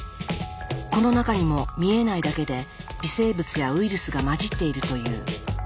この中にも見えないだけで微生物やウイルスが混じっているという。